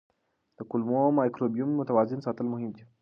د کولمو مایکروبیوم متوازن ساتل مهم دي.